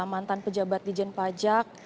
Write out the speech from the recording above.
mantan pejabat di jenderal pajak